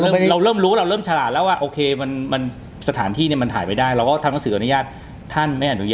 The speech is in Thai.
ผมก็ไม่ได้ไปถ่าย